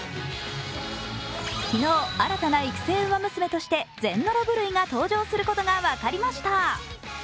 昨日、新たな育成ウマ娘としてゼンノロブロイが登場することが分かりました。